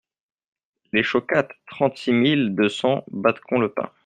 Les Chocats, trente-six mille deux cents Badecon-le-Pin